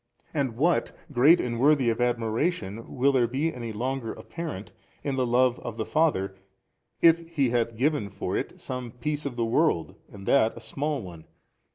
and what great and worthy of admiration will there be any longer apparent in the Love of the Father if He hath given for it some piece of the world and that a small one?